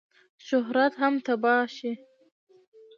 شهرت هم تباه شي.